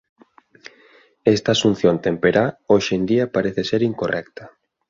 Esta asunción temperá hoxe en día parece ser incorrecta.